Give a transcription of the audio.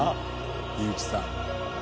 井内さん。